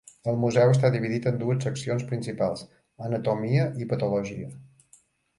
El museu està dividit en dues seccions principals: Anatomia i Patologia.